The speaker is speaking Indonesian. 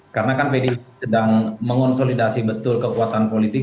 karena kan pdip sedang mengonsolidasi betul kekuatan politik